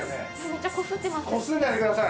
めっちゃこすってます。